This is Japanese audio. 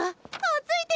あっ。